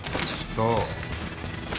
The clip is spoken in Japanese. そう。